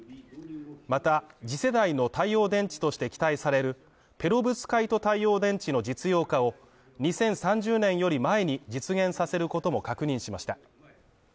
また、次世代の太陽電池として期待されるペロブスカイト太陽電池の実用化を２０３０年より前に実現させることも確認しました